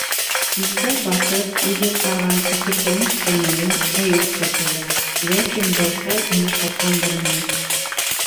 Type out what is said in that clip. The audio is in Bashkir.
Илдә баҫып, иҙеп барған көсөргәнеш кәмеүен Әйүп тә тоя, ләкин был хәл уны шатландырмай.